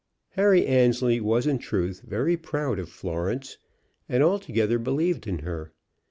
Harry Annesley was in truth very proud of Florence, and altogether believed in her.